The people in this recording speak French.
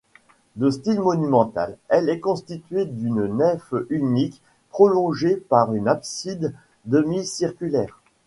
De style monumental, elle est constituée d'une nef unique prolongée par une abside demi-circulaire.